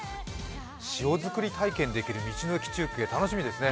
塩作り体験ができる道の駅中継楽しみですね。